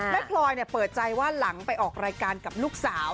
พลอยเปิดใจว่าหลังไปออกรายการกับลูกสาว